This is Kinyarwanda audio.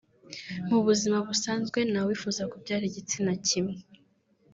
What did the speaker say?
Mu buzima busanzwe nta wifuza kubyara igitsina kimwe